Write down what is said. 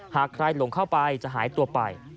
หากใครหลงเข้าไปจะหายตัวไป